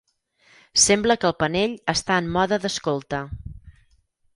Sembla que el panell està en mode d'escolta.